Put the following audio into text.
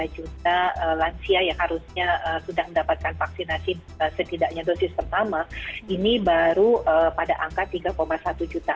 lima juta lansia yang harusnya sudah mendapatkan vaksinasi setidaknya dosis pertama ini baru pada angka tiga satu juta